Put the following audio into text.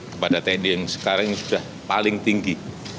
kepada tni yang sekarang sudah paling tinggi